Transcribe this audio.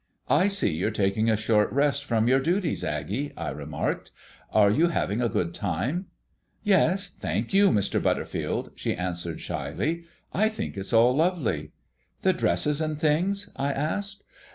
"I see you're taking a short rest from your duties, Aggie," I remarked. "Are you having a good time?" "Yes, thank you, Mr. Butterfield," she answered shyly. "I think it's all lovely." "The dresses and things?" I asked.